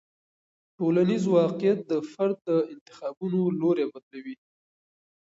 ټولنیز واقیعت د فرد د انتخابونو لوری بدلوي.